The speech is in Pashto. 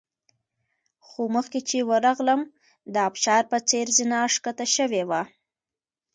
خو چې مخکې ورغلم د ابشار په څېر زینه ښکته شوې وه.